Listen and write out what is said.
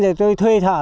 giờ tôi thuê thợ